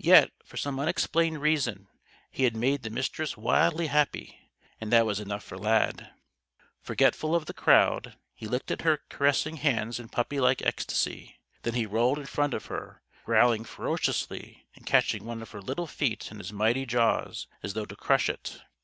Yet, for some unexplained reason, he had made the Mistress wildly happy. And that was enough for Lad. Forgetful of the crowd, he licked at her caressing hands in puppylike ecstasy; then he rolled in front of her; growling ferociously and catching one of her little feet in his mighty jaws, as though to crush it.